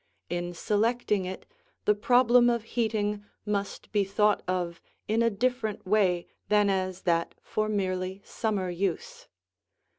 In selecting it the problem of heating must be thought of in a different way than as that for merely summer use.